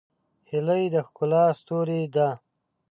هیلۍ د ښکلا ستوری ده